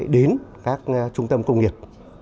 đến các trung tâm công nghiệp